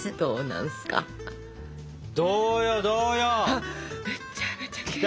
あっめちゃめちゃきれい。